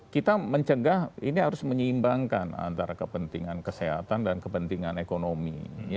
kita mencegah ini harus menyeimbangkan antara kepentingan kesehatan dan kepentingan ekonomi